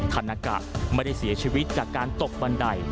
นากะไม่ได้เสียชีวิตจากการตกบันได